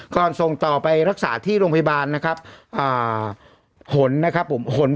ส่งต่อไปรักษาที่โรงพยาบาลนะครับหนนะครับผมหน